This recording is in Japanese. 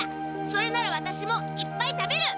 それならワタシもいっぱい食べる！